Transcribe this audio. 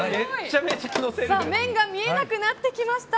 麺が見えなくなってきました。